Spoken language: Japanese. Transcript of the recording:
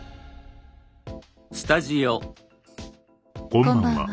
こんばんは。